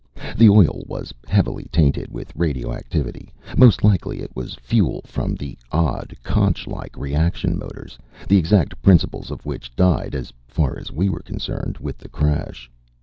The oil was heavily tainted with radioactivity. Most likely it was fuel from the odd, conchlike reaction motors, the exact principles of which died, as far as we were concerned, with the crash.